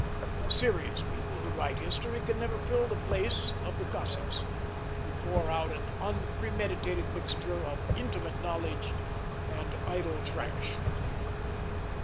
The serious people who write history can never fill the place of the gossips, who pour out an unpremeditated mixture of intimate knowledge and idle trash.